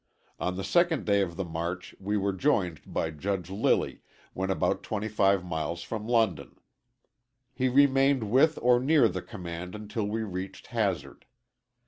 On the second day of the march we were joined by Judge Lilly, when about 25 miles from London. He remained with or near the command until we reached Hazard.